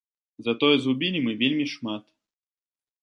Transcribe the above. Затое згубілі мы вельмі шмат.